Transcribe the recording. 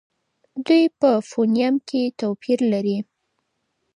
دوی په فونېم کې توپیر لري.